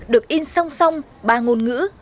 được in song song ba ngôn ngữ